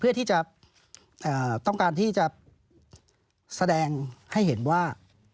เพื่อที่จะต้องการที่จะแสดงให้เห็นว่า